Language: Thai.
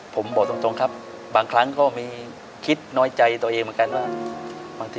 ผมบอกตรงครับบางครั้งก็มีคิดน้อยใจตัวเองเหมือนกันว่าบางที